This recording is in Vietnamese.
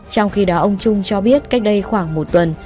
trong khi đó ông trung cho biết cách đây khoảng một tuần